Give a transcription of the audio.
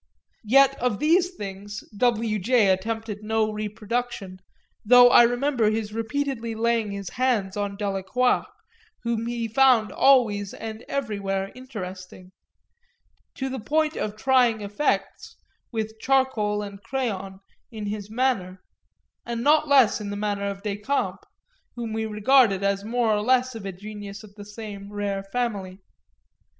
Yet of these things W. J. attempted no reproduction, though I remember his repeatedly laying his hand on Delacroix, whom he found always and everywhere interesting to the point of trying effects, with charcoal and crayon, in his manner; and not less in the manner of Decamps, whom we regarded as more or less of a genius of the same rare family.